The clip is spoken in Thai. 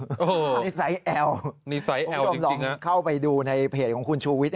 โอ้โหพี่แบบนี้ไซส์แอลคุณผู้ชมเราลองเข้าไปดูในเพจของคุณชูวิทย์